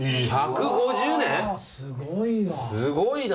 すごいな！